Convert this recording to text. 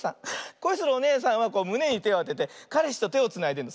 こいするおねえさんはむねにてをあててかれしとてをつないでるの。